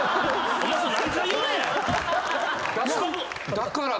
だからか！